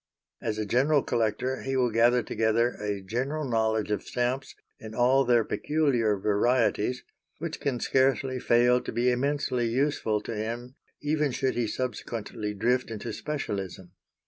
As a general collector he will gather together a general knowledge of stamps in all their peculiar varieties, which can scarcely fail to be immensely useful to him even should he subsequently drift into specialism.